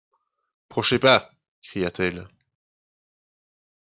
Prochez pas ! cria-t-elle.